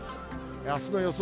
あすの予想